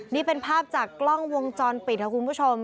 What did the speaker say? นี่เป็นภาพจากกล้องวงจรปิดค่ะคุณผู้ชม